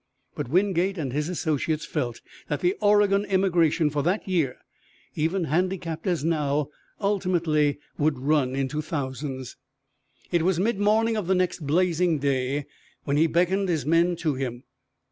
But Wingate and his associates felt that the Oregon immigration for that year, even handicapped as now, ultimately would run into thousands. It was mid morning of the next blazing day when he beckoned his men to him.